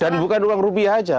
dan bukan uang rupiah saja